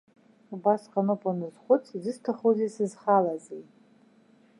Убасҟаноуп уаназхәыц, изысҭахузеи, сызхалазеи?